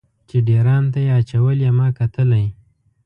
چې ډیر ان ته یې اچولې ما کتلی.